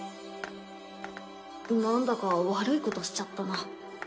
なんだか悪いことしちゃったな。